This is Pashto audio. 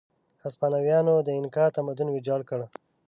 هسپانویانو د اینکا تمدن ویجاړ کړ.